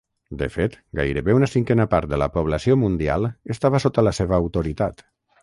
De fet, gairebé una cinquena part de la població mundial estava sota la seva autoritat.